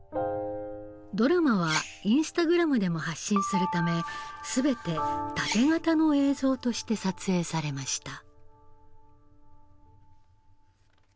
ドラマはインスタグラムでも発信するため全てタテ型の映像として撮影されました。